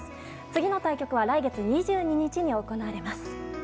次の対局は来月２２日に行われます。